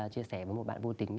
chia sẻ với một bạn vô tính